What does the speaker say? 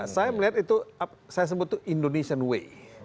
saya melihat itu saya sebut itu indonesian way